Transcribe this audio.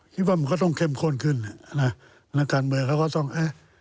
คิดว่ามันก็ต้องเข้มข้นขึ้นนะนักการเมืองเขาก็ต้องเอ๊ะ